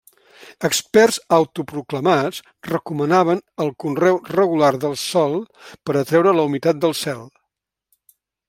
Experts autoproclamats recomanaven el conreu regular del sòl per atreure la humitat del cel.